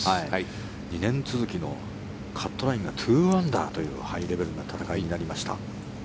２年続きのカットラインが２アンダーというハイレベルな戦いになりました。